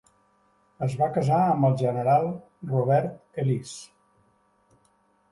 Es va casar amb el general Robert Ellice.